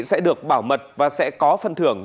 sẽ được bảo mật và sẽ có phân thưởng